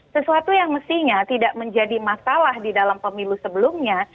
sesuatu yang mestinya tidak menjadi masalah di dalam pemilu sebelumnya